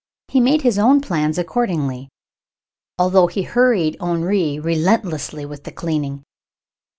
He made his own plans accordingly, although he hurried Henri relentlessly with the cleaning.